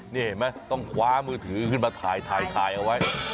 นี่เห็นไหมต้องคว้ามือถือขึ้นมาถ่ายเอาไว้